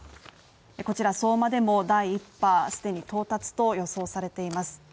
こちら相馬でも第１波、既に到達と予想されています。